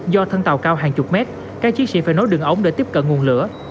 do thân tàu cao hàng chục mét các chiến sĩ phải nối đường ống để tiếp cận nguồn lửa